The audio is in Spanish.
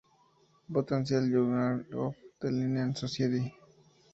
Botanical Journal of the Linnean Society.